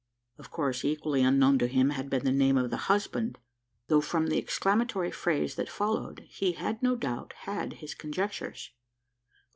Of course, equally unknown to him had been the name of the husband; though from the exclamatory phrase that followed, he had no doubt had his conjectures.